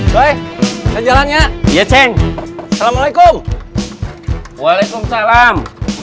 woi kan jalannya yesen assalamualaikum waalaikumsalam